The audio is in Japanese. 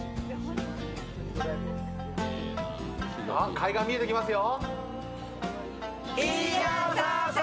海岸見えてきますよ。